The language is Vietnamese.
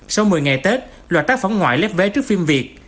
sau một mươi ngày tết loạt tác phẩm ngoại lép vé trước phim việt